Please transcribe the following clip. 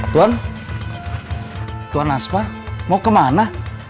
tuhan tuhan asma mau kemana